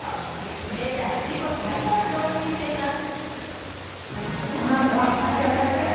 メジャー自己最多を更新しています。